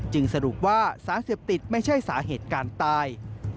สรุปว่าสารเสพติดไม่ใช่สาเหตุการตาย